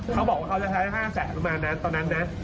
เขาบอกว่าเขาจะใช้๕แสนประมาณนั้นตอนนั้นนะ